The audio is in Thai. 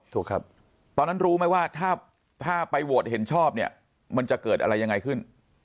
ถูกครับตอนนั้นรู้ไหมว่าถ้าไปโหวตเห็นชอบเนี่ยมันจะเกิดอะไรยังไงขึ้น